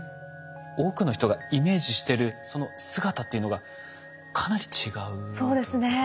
多くの人がイメージしてるその姿というのがかなり違うということですね。